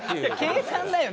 計算だよね。